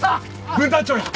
分団長や！